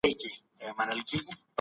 له باده سره شپې نه كوم